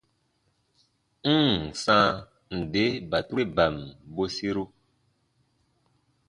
N ǹ sãa nde batureban bweseru.